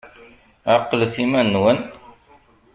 Ɛqlet iman-nwen!